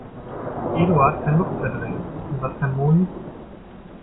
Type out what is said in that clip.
Eduard kann Luft verdrängen. Und was kann Moni?